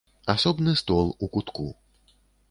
Асобны стол у кутку.